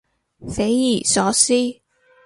匪夷所思